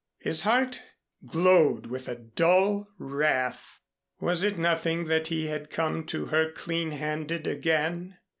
His heart glowed with a dull wrath. Was it nothing that he had come to her clean handed again?